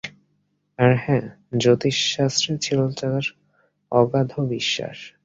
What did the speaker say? আর হ্যাঁ, জ্যোতিষশাস্ত্রে ছিল তাঁর অগাধ বিশ্বাস।